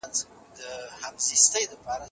د لمر په وړاندې کريم وکاروه.